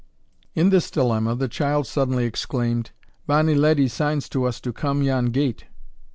In this dilemma, the child suddenly exclaimed "Bonny leddy signs to us to come yon gate."